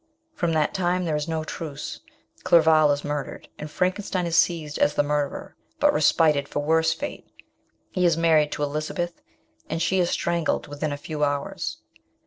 From that time there is no truce. Clerval is murdered and Frankenstein is seized as the mur derer, but respited for worse fate ; he is married to Elizabeth, and she is strangled within a few hours.